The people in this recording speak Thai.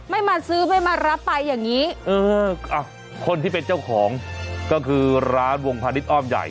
มาซื้อไม่มารับไปอย่างงี้เอออ่ะคนที่เป็นเจ้าของก็คือร้านวงพาณิชยอ้อมใหญ่